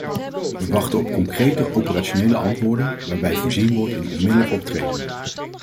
We wachten op concrete, operationele antwoorden, waarbij voorzien wordt in onmiddellijk optreden.